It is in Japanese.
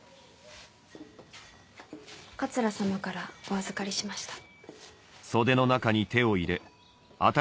桂様からお預かりしました。